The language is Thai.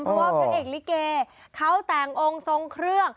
เพราะว่าพระเอกลิเกเขาแต่งองค์ทรงเครื่อง